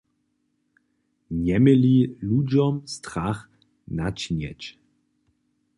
Njeměli ludźom strach načinjeć.